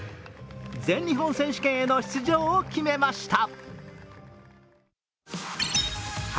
全日本選手権への出場を決めました。